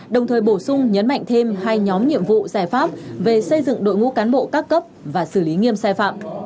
đồng thời bổ sung nhấn mạnh thêm hai nhóm nhiệm vụ giải pháp về xây dựng đội ngũ cán bộ các cấp và xử lý nghiêm sai phạm